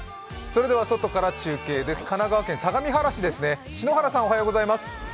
外から中継です神奈川県相模原市です。